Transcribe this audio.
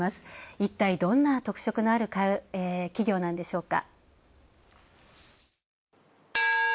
一体、どんな特色のある企業なんでしょうか。